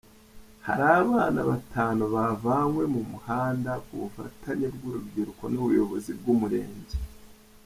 Hari abana batanu bavanywe mu muhanda ku bufatanye bw’urubyiruko n’ubuyobozi bw’Umurenge.